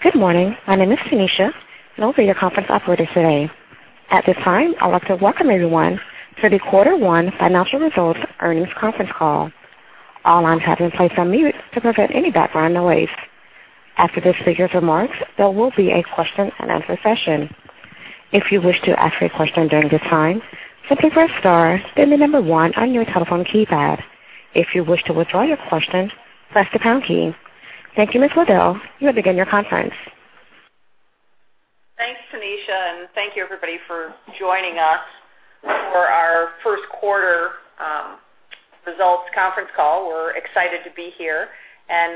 Good morning. My name is Tanisha, and I'll be your conference operator today. At this time, I'd like to welcome everyone to the Quarter One Financial Results Earnings Conference Call. All lines have been placed on mute to prevent any background noise. After the speakers' remarks, there will be a question and answer session. If you wish to ask a question during this time, simply press star, then the number one on your telephone keypad. If you wish to withdraw your question, press the pound key. Thank you, Ms. Waddell. You may begin your conference. Thanks, Tanisha, and thank you everybody for joining us for our first quarter results conference call. We're excited to be here.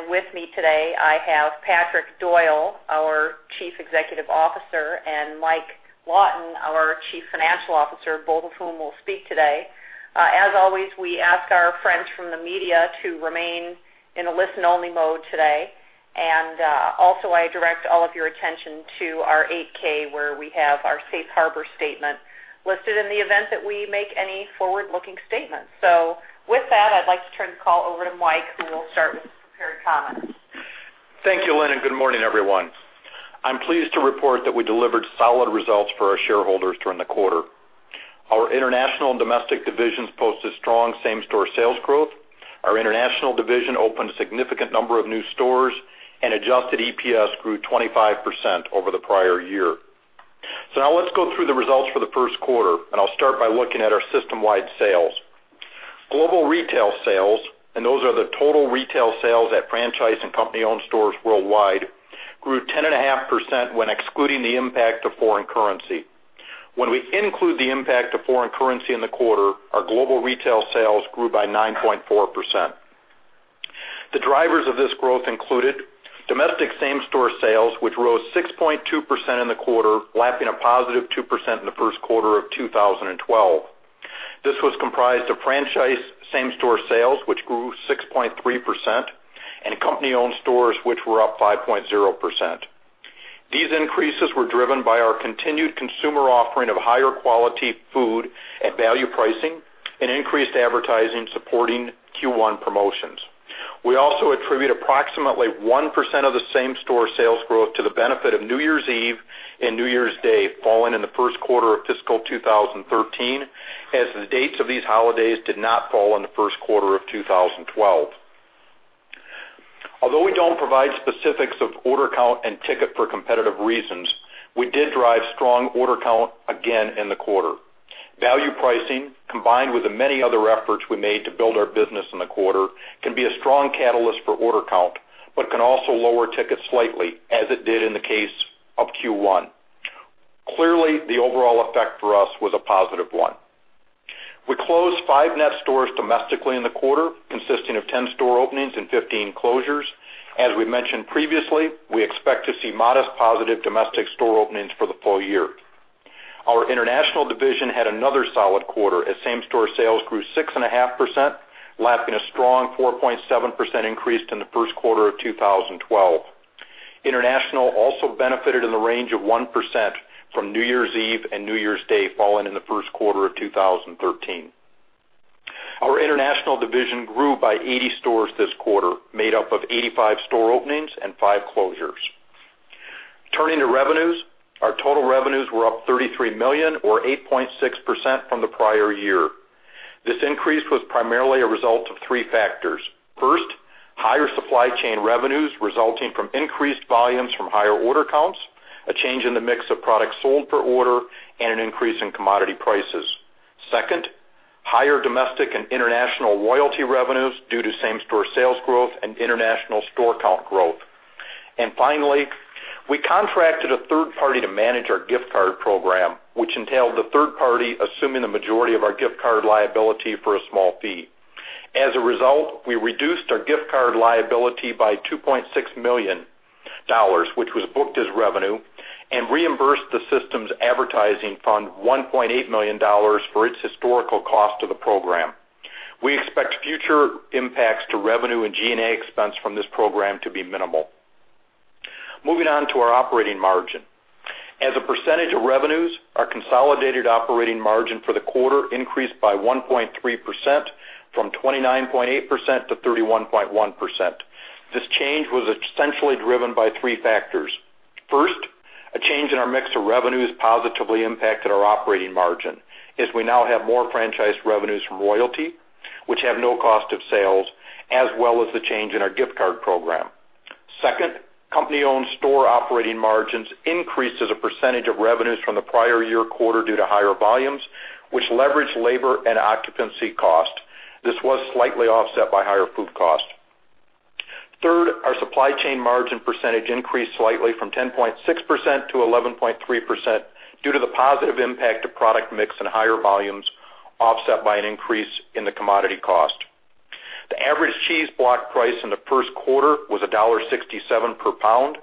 With me today, I have Patrick Doyle, our Chief Executive Officer, and Mike Lawton, our Chief Financial Officer, both of whom will speak today. As always, we ask our friends from the media to remain in a listen-only mode today. Also, I direct all of your attention to our 8-K, where we have our safe harbor statement listed in the event that we make any forward-looking statements. With that, I'd like to turn the call over to Mike, who will start with his prepared comments. Thank you, Lynn, and good morning, everyone. I'm pleased to report that we delivered solid results for our shareholders during the quarter. Our international and domestic divisions posted strong same-store sales growth. Our international division opened a significant number of new stores, adjusted EPS grew 25% over the prior year. Now let's go through the results for the first quarter, I'll start by looking at our system-wide sales. Global retail sales, and those are the total retail sales at franchise and company-owned stores worldwide, grew 10.5% when excluding the impact of foreign currency. When we include the impact of foreign currency in the quarter, our global retail sales grew by 9.4%. The drivers of this growth included domestic same-store sales, which rose 6.2% in the quarter, lapping a positive 2% in the first quarter of 2012. This was comprised of franchise same-store sales, which grew 6.3%, company-owned stores, which were up 5.0%. These increases were driven by our continued consumer offering of higher quality food and value pricing and increased advertising supporting Q1 promotions. We also attribute approximately 1% of the same-store sales growth to the benefit of New Year's Eve and New Year's Day falling in the first quarter of fiscal 2013, as the dates of these holidays did not fall in the first quarter of 2012. Although we don't provide specifics of order count and ticket for competitive reasons, we did drive strong order count again in the quarter. Value pricing, combined with the many other efforts we made to build our business in the quarter, can be a strong catalyst for order count, but can also lower tickets slightly, as it did in the case of Q1. Clearly, the overall effect for us was a positive one. We closed five net stores domestically in the quarter, consisting of 10 store openings and 15 closures. As we mentioned previously, we expect to see modest positive domestic store openings for the full year. Our international division had another solid quarter as same-store sales grew 6.5%, lapping a strong 4.7% increase in the first quarter of 2012. International also benefited in the range of 1% from New Year's Eve and New Year's Day falling in the first quarter of 2013. Our international division grew by 80 stores this quarter, made up of 85 store openings and five closures. Turning to revenues, our total revenues were up $33 million or 8.6% from the prior year. This increase was primarily a result of three factors. First, higher supply chain revenues resulting from increased volumes from higher order counts, a change in the mix of products sold per order, and an increase in commodity prices. Second, higher domestic and international royalty revenues due to same-store sales growth and international store count growth. Finally, we contracted a third party to manage our gift card program, which entailed the third party assuming the majority of our gift card liability for a small fee. As a result, we reduced our gift card liability by $2.6 million, which was booked as revenue and reimbursed the system's advertising fund $1.8 million for its historical cost of the program. We expect future impacts to revenue and G&A expense from this program to be minimal. Moving on to our operating margin. As a percentage of revenues, our consolidated operating margin for the quarter increased by 1.3% from 29.8% to 31.1%. This change was essentially driven by three factors. First, a change in our mix of revenues positively impacted our operating margin as we now have more franchise revenues from royalty, which have no cost of sales, as well as the change in our gift card program. Second, company-owned store operating margins increased as a percentage of revenues from the prior year quarter due to higher volumes, which leveraged labor and occupancy cost. This was slightly offset by higher food cost. Third, our supply chain margin percentage increased slightly from 10.6% to 11.3% due to the positive impact of product mix and higher volumes, offset by an increase in the commodity cost. The average cheese block price in the first quarter was $1.67 per pound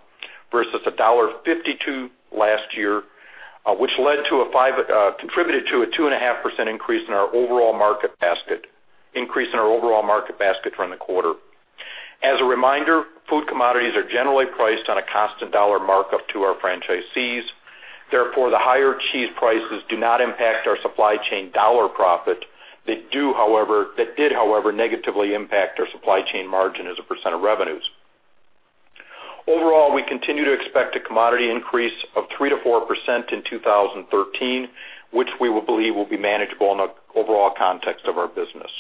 versus $1.52 last year, which contributed to a 2.5% increase in our overall market basket during the quarter. As a reminder, food commodities are generally priced on a constant dollar markup to our franchisees. Therefore, the higher cheese prices do not impact our supply chain dollar profit. They did, however, negatively impact our supply chain margin as a percent of revenues. Overall, we continue to expect a commodity increase of 3%-4% in 2013, which we believe will be manageable in the overall context of our business.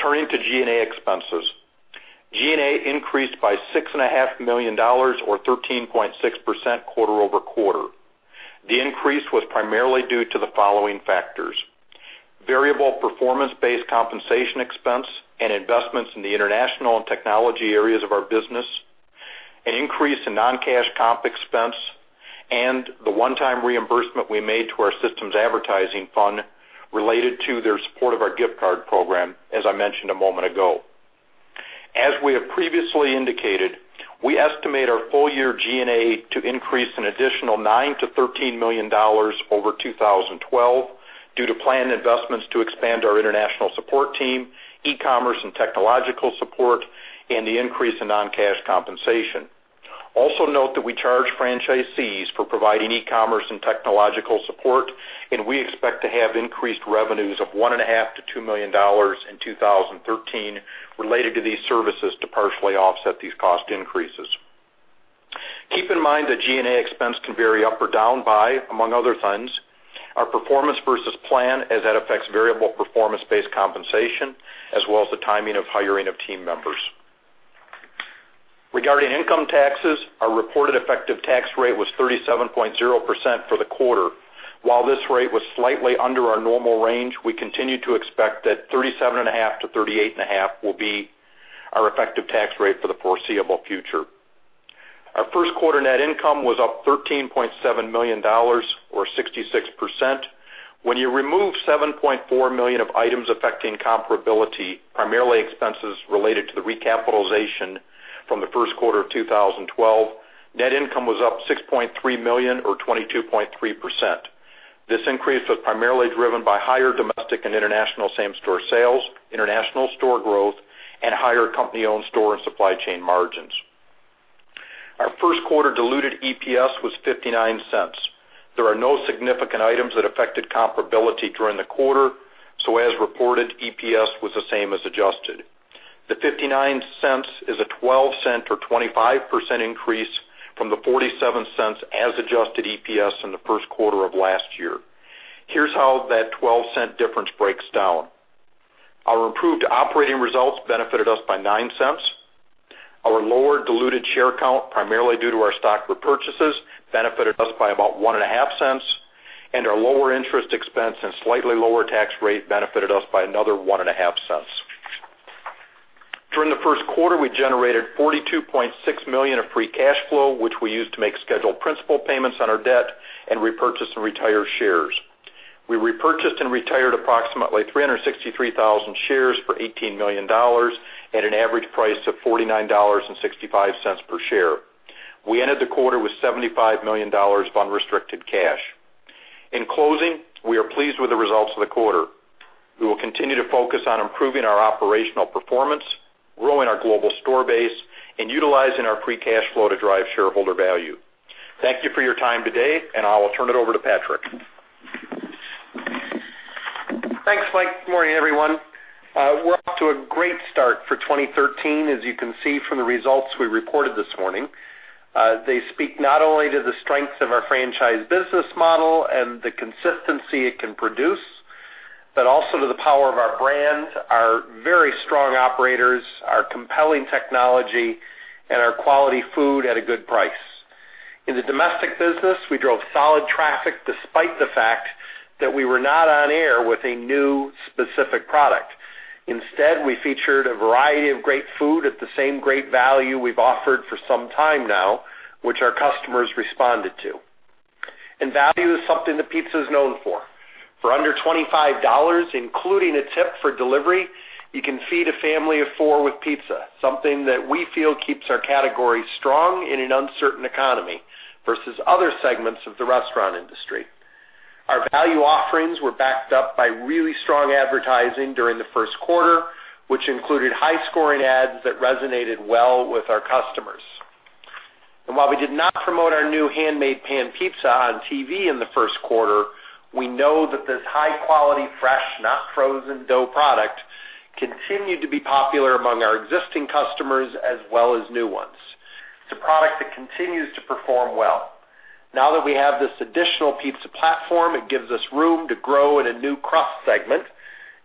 Turning to G&A expenses. G&A increased by $6.5 million, or 13.6% quarter-over-quarter. The increase was primarily due to the following factors: variable performance-based compensation expense and investments in the international and technology areas of our business, an increase in non-cash comp expense, and the one-time reimbursement we made to our systems advertising fund related to their support of our gift card program, as I mentioned a moment ago. As we have previously indicated, we estimate our full year G&A to increase an additional $9 million-$13 million over 2012 due to planned investments to expand our international support team, e-commerce and technological support, and the increase in non-cash compensation. Also note that we charge franchisees for providing e-commerce and technological support, and we expect to have increased revenues of $1.5 million-$2 million in 2013 related to these services to partially offset these cost increases. Keep in mind that G&A expense can vary up or down by, among other things, our performance versus plan, as that affects variable performance-based compensation, as well as the timing of hiring of team members. Regarding income taxes, our reported effective tax rate was 37.0% for the quarter. While this rate was slightly under our normal range, we continue to expect that 37.5%-38.5% will be our effective tax rate for the foreseeable future. Our first quarter net income was up $13.7 million, or 66%. When you remove $7.4 million of items affecting comparability, primarily expenses related to the recapitalization from the first quarter of 2012, net income was up $6.3 million, or 22.3%. This increase was primarily driven by higher domestic and international same-store sales, international store growth, and higher company-owned store and supply chain margins. Our first quarter diluted EPS was $0.59. There are no significant items that affected comparability during the quarter, so as reported, EPS was the same as adjusted. The $0.59 is a $0.12, or 25%, increase from the $0.47 as adjusted EPS in the first quarter of last year. Here's how that $0.12 difference breaks down. Our improved operating results benefited us by $0.09. Our lower diluted share count, primarily due to our stock repurchases, benefited us by about $0.015, and our lower interest expense and slightly lower tax rate benefited us by another $0.015. During the first quarter, we generated $42.6 million of free cash flow, which we used to make scheduled principal payments on our debt and repurchase and retire shares. We repurchased and retired approximately 363,000 shares for $18 million at an average price of $49.65 per share. We ended the quarter with $75 million of unrestricted cash. In closing, we are pleased with the results of the quarter. We will continue to focus on improving our operational performance, growing our global store base, and utilizing our free cash flow to drive shareholder value. Thank you for your time today, and I will turn it over to Patrick. Thanks, Mike. Good morning, everyone. We're off to a great start for 2013, as you can see from the results we reported this morning. They speak not only to the strength of our franchise business model and the consistency it can produce, but also to the power of our brand, our very strong operators, our compelling technology, and our quality food at a good price. In the domestic business, we drove solid traffic despite the fact that we were not on air with a new specific product. Instead, we featured a variety of great food at the same great value we've offered for some time now, which our customers responded to. Value is something that pizza is known for. For under $25, including a tip for delivery, you can feed a family of four with pizza, something that we feel keeps our category strong in an uncertain economy versus other segments of the restaurant industry. Our value offerings were backed up by really strong advertising during the first quarter, which included high-scoring ads that resonated well with our customers. While we did not promote our new Handmade Pan Pizza on TV in the first quarter, we know that this high-quality, fresh, not frozen dough product continued to be popular among our existing customers as well as new ones. It's a product that continues to perform well. Now that we have this additional pizza platform, it gives us room to grow in a new crust segment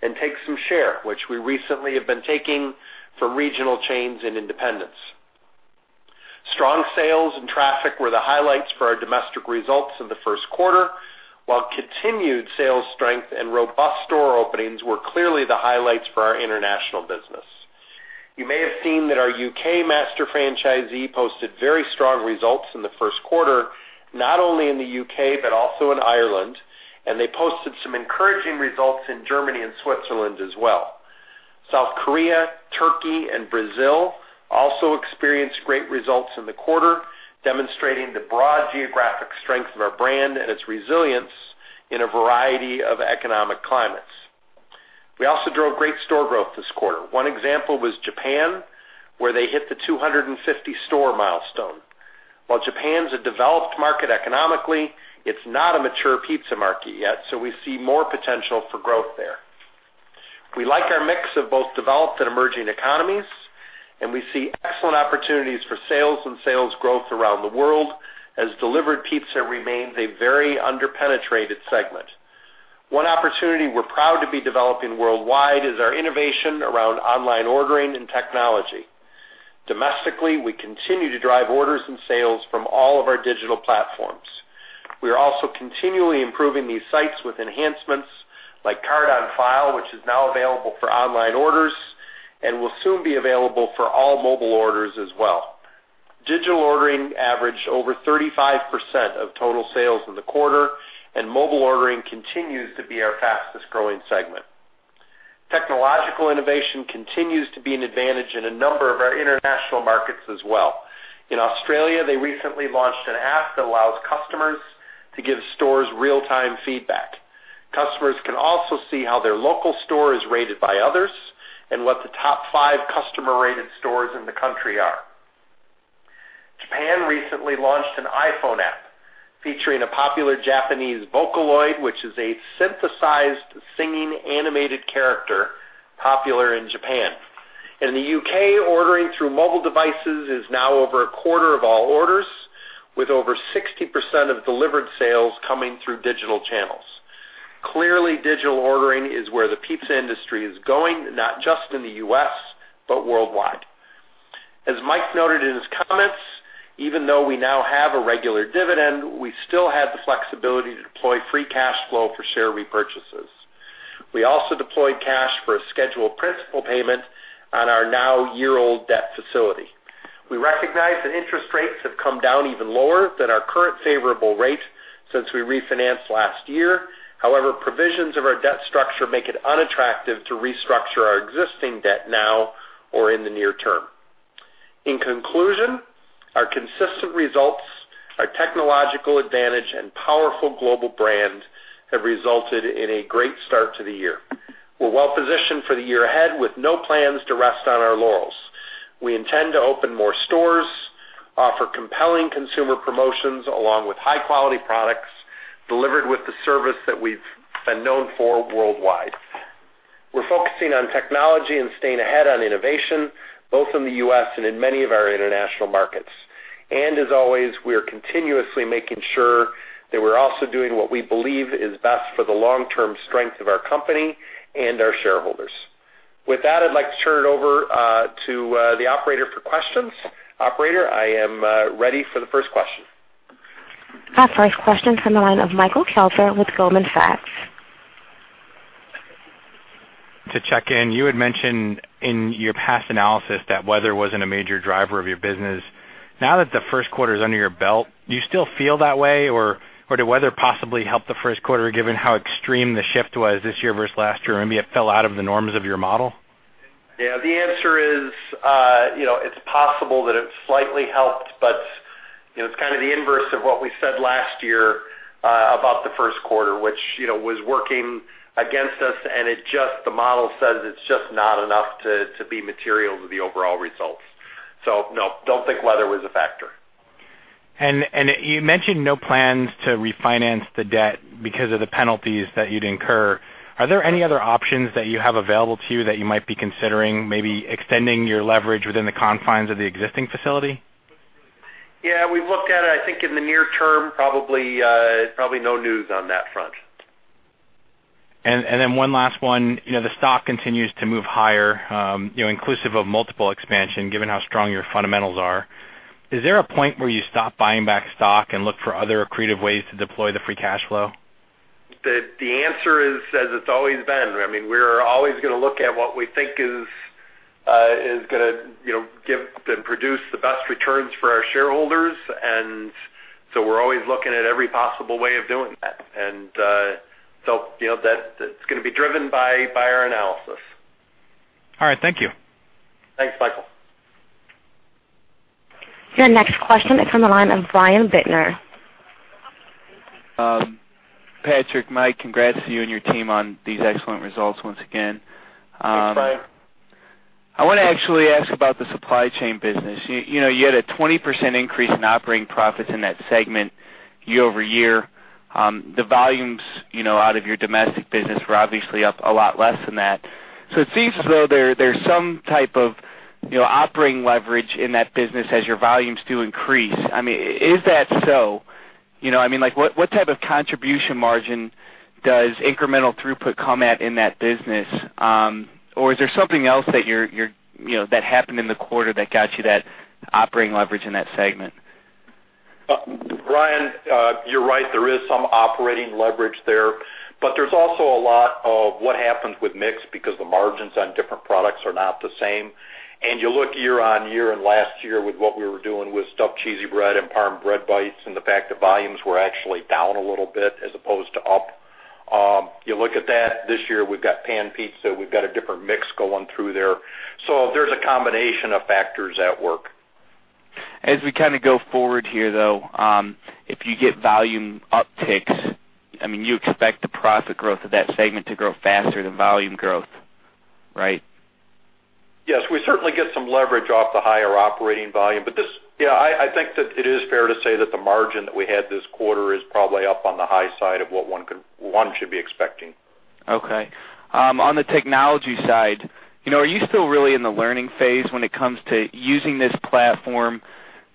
and take some share, which we recently have been taking from regional chains and independents. Strong sales and traffic were the highlights for our domestic results in the first quarter, while continued sales strength and robust store openings were clearly the highlights for our international business. You may have seen that our U.K. master franchisee posted very strong results in the first quarter, not only in the U.K. but also in Ireland. They posted some encouraging results in Germany and Switzerland as well. South Korea, Turkey, and Brazil also experienced great results in the quarter, demonstrating the broad geographic strength of our brand and its resilience in a variety of economic climates. We also drove great store growth this quarter. One example was Japan, where they hit the 250-store milestone. While Japan's a developed market economically, it's not a mature pizza market yet. We see more potential for growth there. We like our mix of both developed and emerging economies. We see excellent opportunities for sales and sales growth around the world as delivered pizza remains a very under-penetrated segment. One opportunity we're proud to be developing worldwide is our innovation around online ordering and technology. Domestically, we continue to drive orders and sales from all of our digital platforms. We are also continually improving these sites with enhancements like card on file, which is now available for online orders and will soon be available for all mobile orders as well. Digital ordering averaged over 35% of total sales in the quarter. Mobile ordering continues to be our fastest-growing segment. Technological innovation continues to be an advantage in a number of our international markets as well. In Australia, they recently launched an app that allows customers to give stores real-time feedback. Customers can also see how their local store is rated by others and what the top five customer-rated stores in the country are. Japan recently launched an iPhone app featuring a popular Japanese Vocaloid, which is a synthesized singing animated character popular in Japan. In the U.K., ordering through mobile devices is now over a quarter of all orders, with over 60% of delivered sales coming through digital channels. Clearly, digital ordering is where the pizza industry is going, not just in the U.S., but worldwide. As Mike noted in his comments, even though we now have a regular dividend, we still have the flexibility to deploy free cash flow for share repurchases. We also deployed cash for a scheduled principal payment on our now year-old debt facility. We recognize that interest rates have come down even lower than our current favorable rate since we refinanced last year. Provisions of our debt structure make it unattractive to restructure our existing debt now or in the near term. In conclusion, our consistent results, our technological advantage, and powerful global brand have resulted in a great start to the year. We're well-positioned for the year ahead with no plans to rest on our laurels. We intend to open more stores, offer compelling consumer promotions along with high-quality products delivered with the service that we've been known for worldwide. We're focusing on technology and staying ahead on innovation, both in the U.S. and in many of our international markets. As always, we are continuously making sure that we're also doing what we believe is best for the long-term strength of our company and our shareholders. With that, I'd like to turn it over to the operator for questions. Operator, I am ready for the first question. Our first question is from the line of Michael Kelter with Goldman Sachs. To check in, you had mentioned in your past analysis that weather wasn't a major driver of your business. Now that the first quarter is under your belt, do you still feel that way? Or did weather possibly help the first quarter, given how extreme the shift was this year versus last year, and maybe it fell out of the norms of your model? Yeah, the answer is, it's possible that it slightly helped, but it's kind of the inverse of what we said last year about the first quarter, which was working against us, and the model says it's just not enough to be material to the overall results. No, don't think weather was a factor. You mentioned no plans to refinance the debt because of the penalties that you'd incur. Are there any other options that you have available to you that you might be considering, maybe extending your leverage within the confines of the existing facility? Yeah, we've looked at it. I think in the near term, probably no news on that front. One last one. The stock continues to move higher, inclusive of multiple expansion, given how strong your fundamentals are. Is there a point where you stop buying back stock and look for other accretive ways to deploy the free cash flow? The answer is, as it's always been. We're always going to look at what we think is going to give and produce the best returns for our shareholders. We're always looking at every possible way of doing that. That's going to be driven by our analysis. All right. Thank you. Thanks, Michael. Your next question is from the line of Brian Bittner. Patrick, Mike, congrats to you and your team on these excellent results once again. Thanks, Brian. I want to actually ask about the supply chain business. You had a 20% increase in operating profits in that segment year-over-year. It seems as though there's some type of operating leverage in that business as your volumes do increase. Is that so? What type of contribution margin does incremental throughput come at in that business? Is there something else that happened in the quarter that got you that operating leverage in that segment? Brian, you're right. There is some operating leverage there. There's also a lot of what happens with mix because the margins on different products are not the same. You look year-on-year and last year with what we were doing with Stuffed Cheesy Bread and Parmesan Bread Bites and the fact the volumes were actually down a little bit as opposed to up. You look at that this year, we've got Handmade Pan Pizza. We've got a different mix going through there. There's a combination of factors at work. As we go forward here, though, if you get volume upticks, you expect the profit growth of that segment to grow faster than volume growth, right? Yes. We certainly get some leverage off the higher operating volume. I think that it is fair to say that the margin that we had this quarter is probably up on the high side of what one should be expecting. Okay. On the technology side, are you still really in the learning phase when it comes to using this platform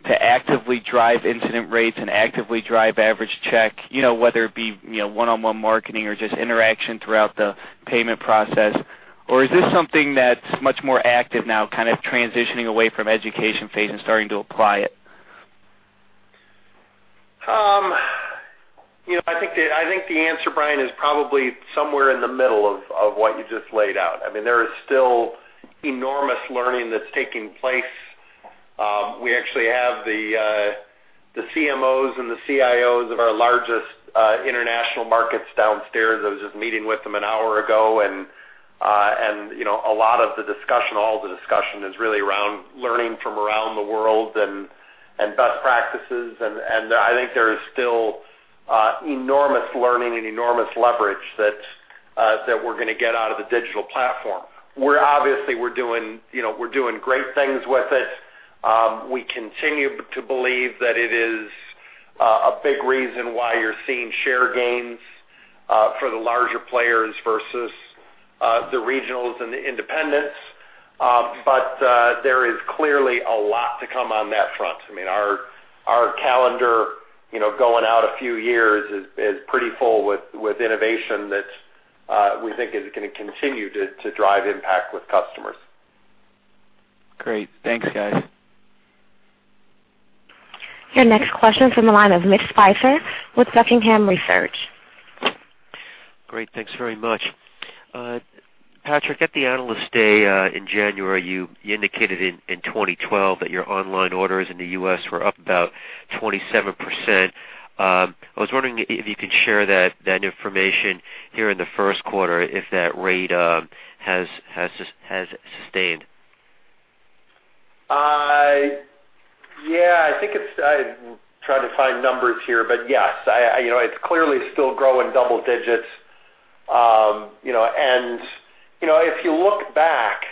to actively drive incident rates and actively drive average check, whether it be one-on-one marketing or just interaction throughout the payment process? Is this something that's much more active now, kind of transitioning away from education phase and starting to apply it? I think the answer, Brian, is probably somewhere in the middle of what you just laid out. There is still enormous learning that's taking place. We actually have the CMOs and the CIOs of our largest international markets downstairs. I was just meeting with them an hour ago. A lot of the discussion, all the discussion, is really around learning from around the world and best practices. I think there is still enormous learning and enormous leverage that we're going to get out of the digital platform. Obviously, we're doing great things with it. We continue to believe that it is a big reason why you're seeing share gains for the larger players versus the regionals and the independents. There is clearly a lot to come on that front. Our calendar going out a few years is pretty full with innovation that we think is going to continue to drive impact with customers. Great. Thanks, guys. Your next question from the line of Mitch Speiser with Buckingham Research. Great. Thanks very much. Patrick, at the Analyst Day in January, you indicated in 2012 that your online orders in the U.S. were up about 27%. I was wondering if you could share that information here in the first quarter, if that rate has sustained. Yeah. I'm trying to find numbers here, but yes, it's clearly still growing double digits. If you look back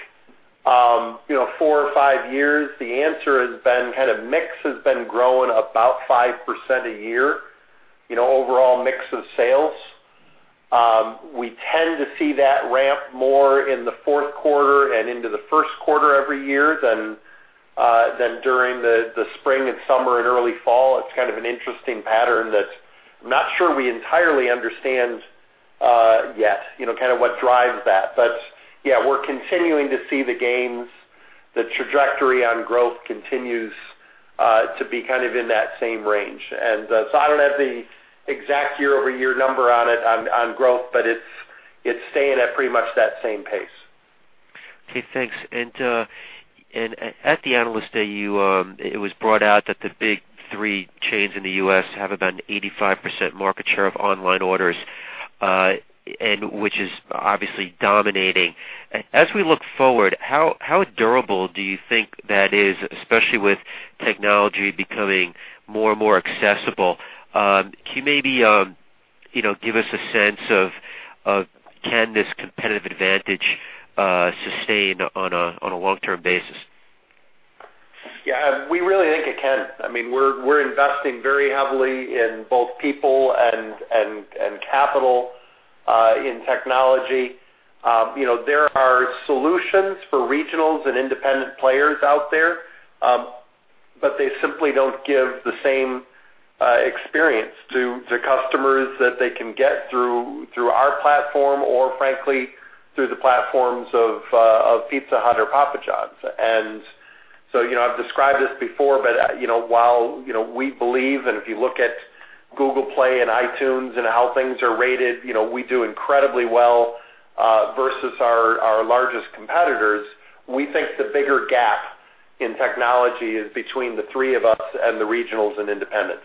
four or five years, the answer has been mix has been growing about 5% a year, overall mix of sales. We tend to see that ramp more in the fourth quarter and into the first quarter every year than during the spring and summer and early fall. It's an interesting pattern that I'm not sure we entirely understand yet what drives that. Yeah, we're continuing to see the gains. The trajectory on growth continues to be in that same range. So I don't have the exact year-over-year number on it on growth, but it's staying at pretty much that same pace. Okay, thanks. At the Analyst Day, it was brought out that the big three chains in the U.S. have about an 85% market share of online orders, which is obviously dominating. As we look forward, how durable do you think that is, especially with technology becoming more and more accessible? Can you maybe give us a sense of can this competitive advantage sustain on a long-term basis? Yeah. We really think it can. We're investing very heavily in both people and capital in technology. There are solutions for regionals and independent players out there, but they simply don't give the same experience to their customers that they can get through our platform or frankly, through the platforms of Pizza Hut or Papa John's. I've described this before, but while we believe, and if you look at Google Play and iTunes and how things are rated, we do incredibly well versus our largest competitors. We think the bigger gap in technology is between the three of us and the regionals and independents.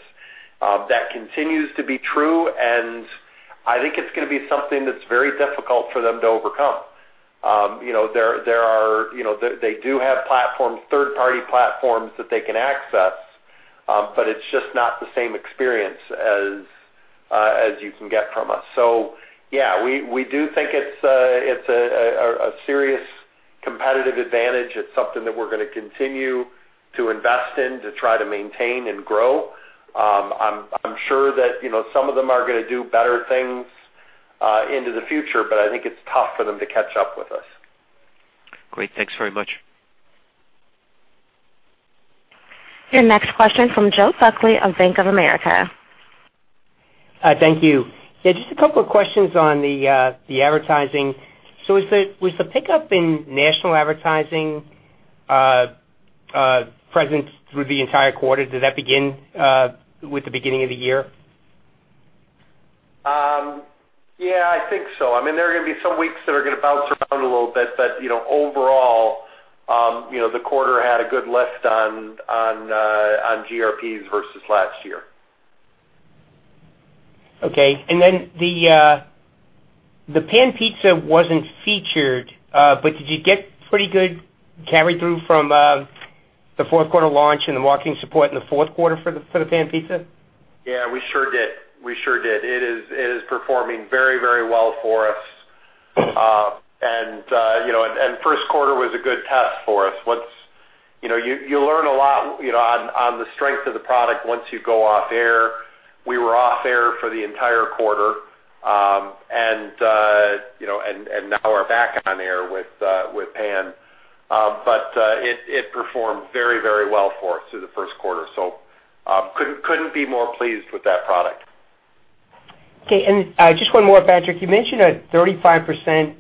That continues to be true, and I think it's going to be something that's very difficult for them to overcome. They do have third-party platforms that they can access, but it's just not the same experience as you can get from us. Yeah, we do think it's a serious competitive advantage. It's something that we're going to continue to invest in to try to maintain and grow. I'm sure that some of them are going to do better things into the future, but I think it's tough for them to catch up with us. Great. Thanks very much. Your next question from Joe Buckley of Bank of America. Thank you. Just a couple of questions on the advertising. Was the pickup in national advertising presence through the entire quarter? Did that begin with the beginning of the year? I think so. There are going to be some weeks that are going to bounce around a little bit, overall, the quarter had a good lift on GRPs versus last year. Okay. The Pan Pizza wasn't featured, but did you get pretty good carry through from the fourth quarter launch and the marketing support in the fourth quarter for the Pan Pizza? Yeah, we sure did. It is performing very well for us. First quarter was a good test for us. You learn a lot on the strength of the product once you go off air. We were off air for the entire quarter. Now we're back on air with Pan. It performed very well for us through the first quarter. Couldn't be more pleased with that product. Okay. Just one more, Patrick. You mentioned a 35%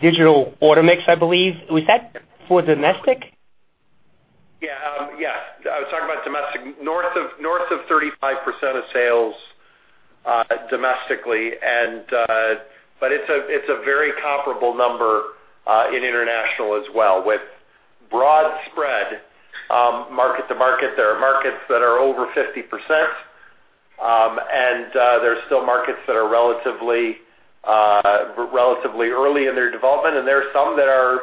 digital order mix, I believe. Was that for domestic? Yeah. I was talking about domestic. North of 35% of sales domestically. It's a very comparable number in international as well, with broad spread market to market. There are markets that are over 50%, there's still markets that are relatively early in their development, there are some that are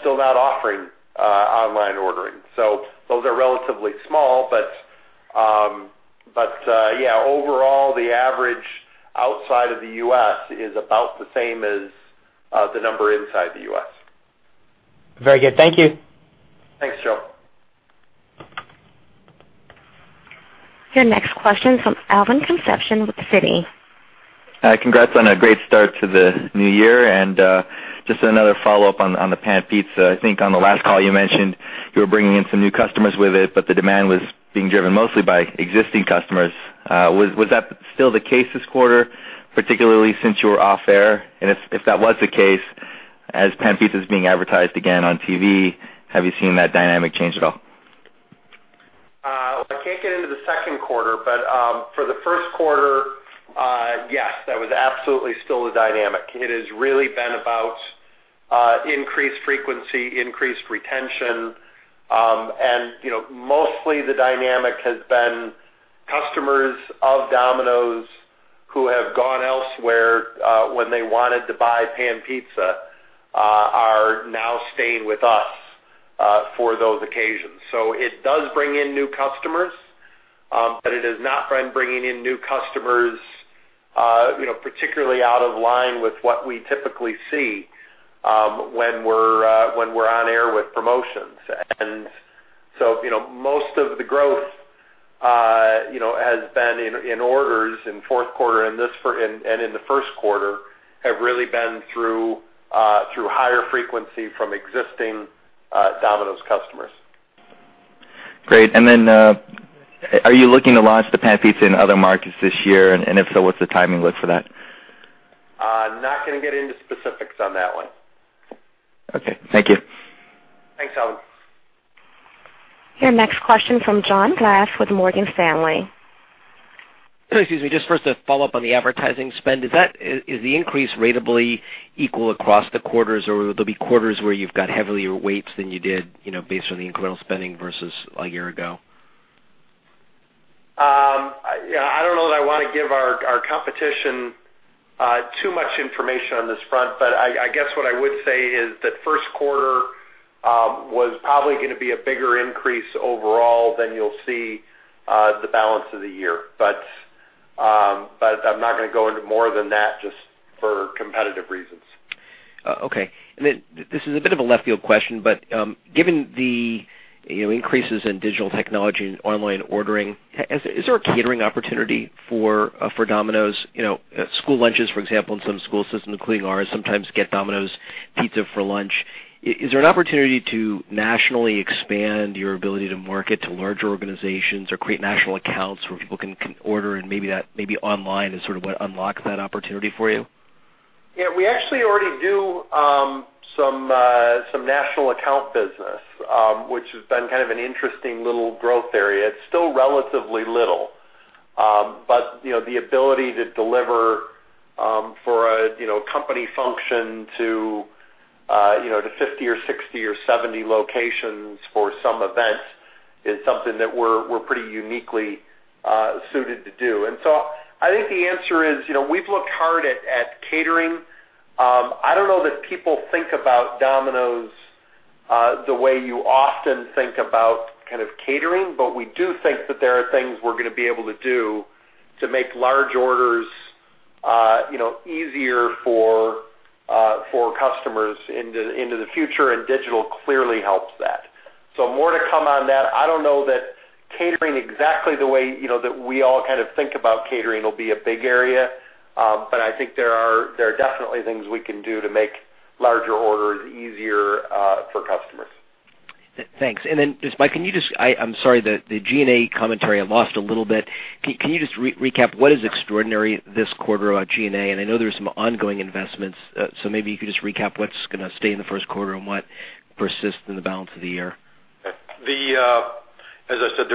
still not offering online ordering. Those are relatively small. Yeah, overall, the average outside of the U.S. is about the same as the number inside the U.S. Very good. Thank you. Thanks, Joe. Your next question comes Alvin Concepcion with Citi. Hi, congrats on a great start to the new year, and just another follow-up on the Pan Pizza. I think on the last call you mentioned you were bringing in some new customers with it, but the demand was being driven mostly by existing customers. Was that still the case this quarter, particularly since you were off air? If that was the case, as Pan Pizza is being advertised again on TV, have you seen that dynamic change at all? Well, I can't get into the second quarter, but for the first quarter, yes, that was absolutely still the dynamic. It has really been about increased frequency, increased retention. Mostly the dynamic has been customers of Domino's who have gone elsewhere when they wanted to buy Pan Pizza are now staying with us for those occasions. It does bring in new customers, but it has not been bringing in new customers particularly out of line with what we typically see when we're on air with promotions. Most of the growth has been in orders in fourth quarter and in the first quarter have really been through higher frequency from existing Domino's customers. Great. Are you looking to launch the Pan Pizza in other markets this year? If so, what's the timing look for that? Not going to get into specifics on that one. Okay. Thank you. Thanks, Alvin. Your next question from John Glass with Morgan Stanley. Excuse me. Just first a follow-up on the advertising spend. Is the increase ratably equal across the quarters, or will there be quarters where you've got heavier weights than you did based on the incremental spending versus a year ago? I don't know that I want to give our competition too much information on this front, I guess what I would say is that first quarter was probably going to be a bigger increase overall than you'll see the balance of the year. I'm not going to go into more than that just for competitive reasons. This is a bit of a left field question, but given the increases in digital technology and online ordering, is there a catering opportunity for Domino's? School lunches, for example, in some school systems, including ours, sometimes get Domino's Pizza for lunch. Is there an opportunity to nationally expand your ability to market to larger organizations or create national accounts where people can order and maybe online is sort of what unlocks that opportunity for you? We actually already do some national account business, which has been kind of an interesting little growth area. It's still relatively little. The ability to deliver for a company function to 50 or 60 or 70 locations for some events is something that we're pretty uniquely suited to do. I think the answer is, we've looked hard at catering. I don't know that people think about Domino's the way you often think about kind of catering, we do think that there are things we're going to be able to do to make large orders easier for customers into the future, and digital clearly helps that. More to come on that. I don't know that catering exactly the way that we all kind of think about catering will be a big area. I think there are definitely things we can do to make larger orders easier for customers. Thanks. Just Mike, I'm sorry, the G&A commentary I lost a little bit. Can you just recap what is extraordinary this quarter about G&A? I know there's some ongoing investments, maybe you could just recap what's going to stay in the first quarter and what persists in the balance of the year. As I said,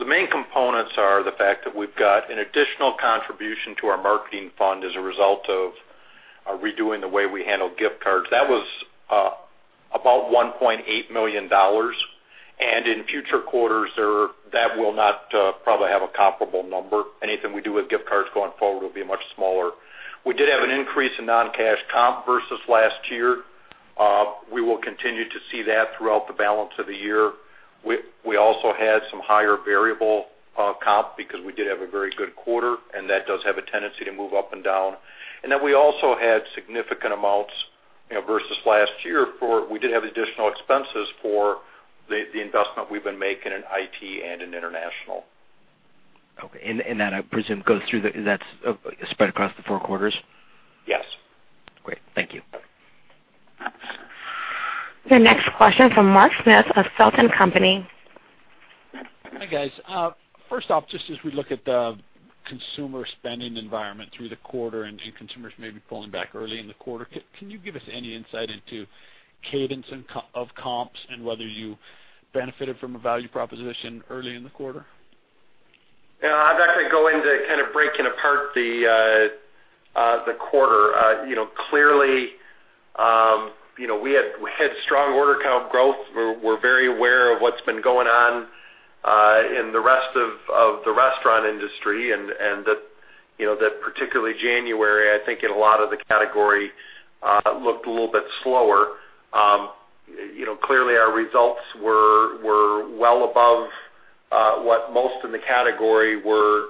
the main components are the fact that we've got an additional contribution to our marketing fund as a result of redoing the way we handle gift cards. That was About $1.8 million. In future quarters, that will not probably have a comparable number. Anything we do with gift cards going forward will be much smaller. We did have an increase in non-cash comp versus last year. We will continue to see that throughout the balance of the year. We also had some higher variable comp because we did have a very good quarter, and that does have a tendency to move up and down. We also had significant amounts versus last year, for we did have additional expenses for the investment we've been making in IT and in international. Okay. That, I presume, is spread across the four quarters? Yes. Great. Thank you. Your next question from Mark Smith of Feltl and Company. Hi, guys. First off, just as we look at the consumer spending environment through the quarter and consumers maybe pulling back early in the quarter, can you give us any insight into cadence of comps and whether you benefited from a value proposition early in the quarter? Yeah. I'd like to go into kind of breaking apart the quarter. Clearly, we had strong order count growth. We're very aware of what's been going on in the rest of the restaurant industry, that particularly January, I think in a lot of the category, looked a little bit slower. Clearly, our results were well above what most in the category were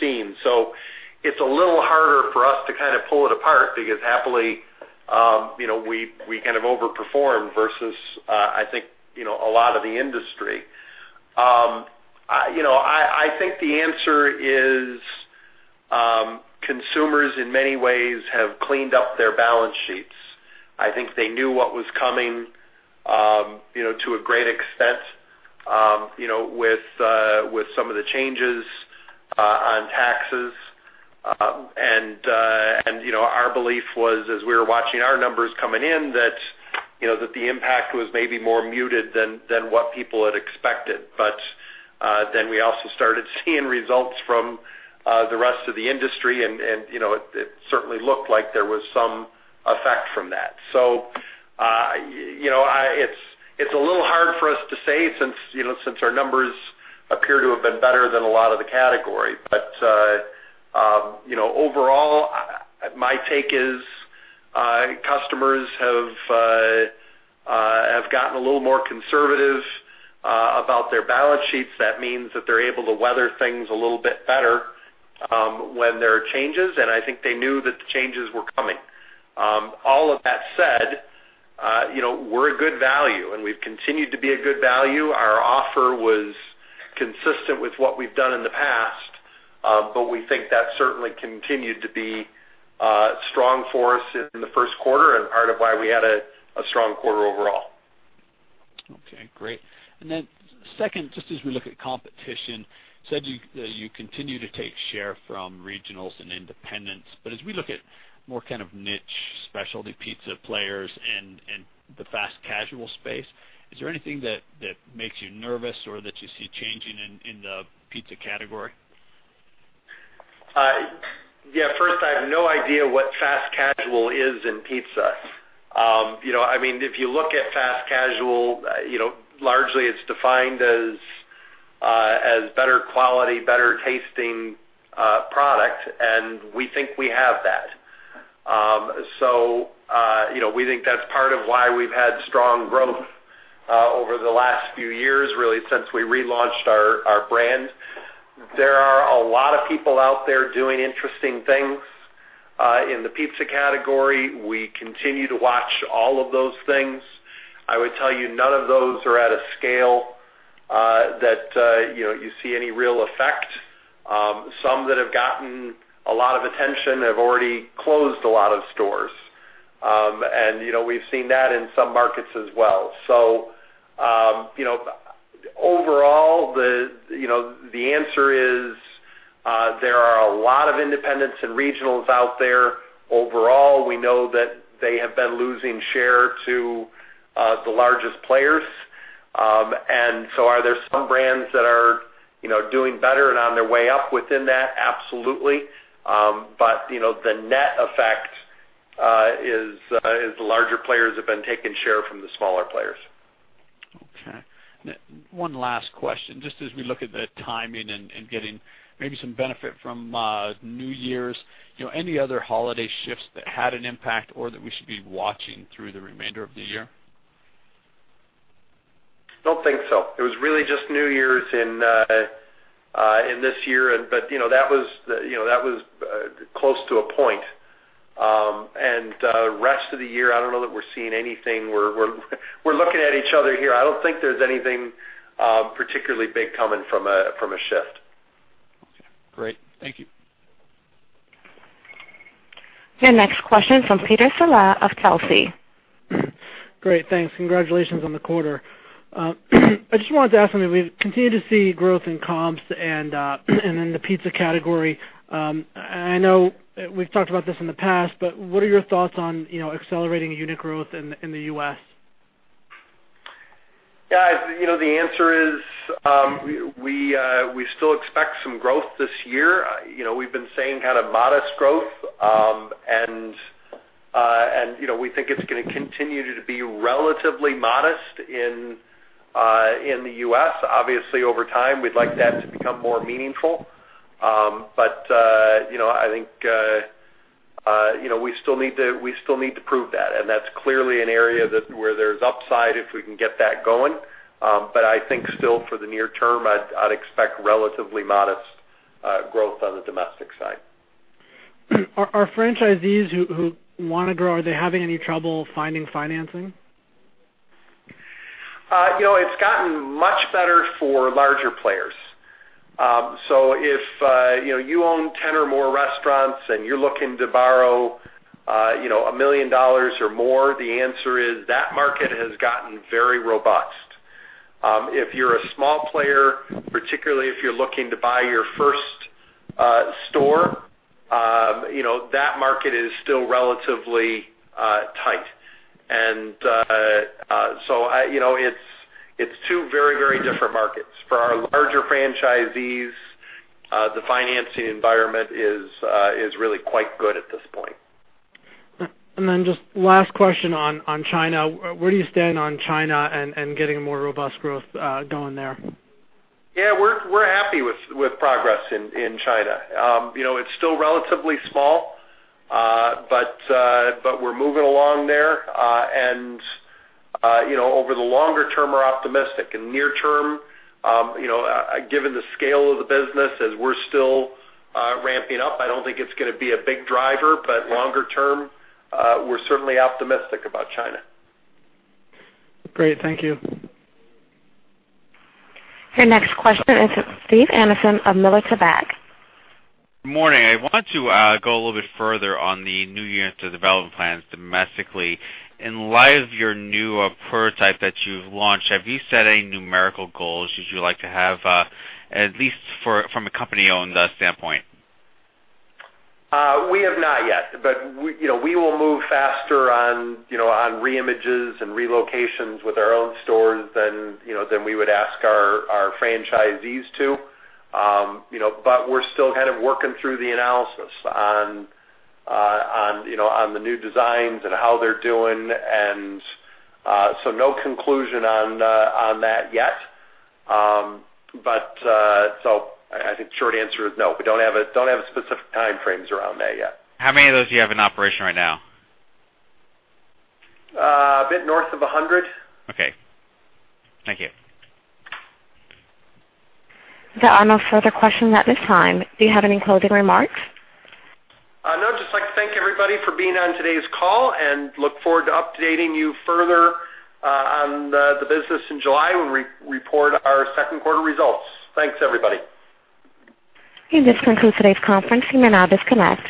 seeing. It's a little harder for us to kind of pull it apart because happily, we kind of overperformed versus, I think, a lot of the industry. I think the answer is consumers, in many ways, have cleaned up their balance sheets. I think they knew what was coming, to a great extent, with some of the changes on taxes. Our belief was, as we were watching our numbers coming in, that the impact was maybe more muted than what people had expected. We also started seeing results from the rest of the industry, it certainly looked like there was some effect from that. It's a little hard for us to say since our numbers appear to have been better than a lot of the category. Overall, my take is customers have gotten a little more conservative about their balance sheets. That means that they're able to weather things a little bit better when there are changes, I think they knew that the changes were coming. All of that said, we're a good value, we've continued to be a good value. Our offer was consistent with what we've done in the past, we think that certainly continued to be strong for us in the first quarter and part of why we had a strong quarter overall. Okay, great. Second, just as we look at competition, you said you continue to take share from regionals and independents. As we look at more kind of niche specialty pizza players and the fast casual space, is there anything that makes you nervous or that you see changing in the pizza category? Yeah. First, I have no idea what fast casual is in pizza. If you look at fast casual, largely it's defined as better quality, better tasting product, and we think we have that. We think that's part of why we've had strong growth over the last few years, really since we relaunched our brand. There are a lot of people out there doing interesting things in the pizza category. We continue to watch all of those things. I would tell you none of those are at a scale that you see any real effect. Some that have gotten a lot of attention have already closed a lot of stores. We've seen that in some markets as well. Overall, the answer is, there are a lot of independents and regionals out there. Overall, we know that they have been losing share to the largest players. Are there some brands that are doing better and on their way up within that? Absolutely. The net effect is the larger players have been taking share from the smaller players. Okay. One last question, just as we look at the timing and getting maybe some benefit from New Year's. Any other holiday shifts that had an impact or that we should be watching through the remainder of the year? Don't think so. It was really just New Year's in this year, but that was close to a point. The rest of the year, I don't know that we're seeing anything. We're looking at each other here. I don't think there's anything particularly big coming from a shift. Okay, great. Thank you. Your next question is from Peter Saleh of Telsey Advisory Group. Great. Thanks. Congratulations on the quarter. I just wanted to ask, I mean, we've continued to see growth in comps and in the pizza category. I know we've talked about this in the past, what are your thoughts on accelerating unit growth in the U.S.? Yeah. The answer is, we still expect some growth this year. We've been saying modest growth, and we think it's going to continue to be relatively modest in the U.S. Obviously, over time, we'd like that to become more meaningful. I think we still need to prove that. That's clearly an area where there's upside if we can get that going. I think still for the near term, I'd expect relatively modest growth on the domestic side. Are franchisees who want to grow, are they having any trouble finding financing? It's gotten much better for larger players. If you own 10 or more restaurants and you're looking to borrow $1 million or more, the answer is that market has gotten very robust. If you're a small player, particularly if you're looking to buy your first store, that market is still relatively tight. It's two very different markets. For our larger franchisees, the financing environment is really quite good at this point. Just last question on China. Where do you stand on China and getting a more robust growth going there? Yeah, we're happy with progress in China. It's still relatively small, but we're moving along there, and over the longer term, we're optimistic. In near term, given the scale of the business as we're still ramping up, I don't think it's going to be a big driver. Longer term, we're certainly optimistic about China. Great. Thank you. Your next question is Steve Anderson of Miller Tabak + Co. Morning. I want to go a little bit further on the new unit development plans domestically. In light of your new prototype that you've launched, have you set any numerical goals you'd like to have, at least from a company-owned standpoint? We have not yet, but we will move faster on re-images and relocations with our own stores than we would ask our franchisees to. We're still working through the analysis on the new designs and how they're doing, and so no conclusion on that yet. I think short answer is no. We don't have specific time frames around that yet. How many of those do you have in operation right now? A bit north of 100. Okay. Thank you. There are no further questions at this time. Do you have any closing remarks? No. Just like to thank everybody for being on today's call and look forward to updating you further on the business in July when we report our second quarter results. Thanks everybody. This concludes today's conference. You may now disconnect.